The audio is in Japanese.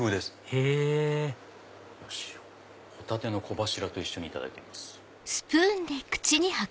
へぇよしホタテの小柱と一緒にいただいてみます。